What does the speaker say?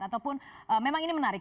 ataupun memang ini menarik